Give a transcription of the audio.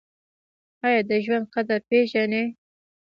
ایا د ژوند قدر پیژنئ؟